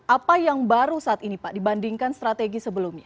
apa yang baru saat ini pak dibandingkan strategi sebelumnya